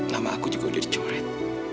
nama aku juga udah dicurit